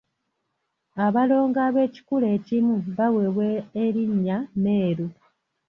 Abalongo ab’ekikula ekimu baweebwa elinnya Meeru.